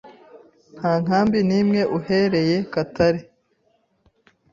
nta nkambi n’imwe uhereye Katale,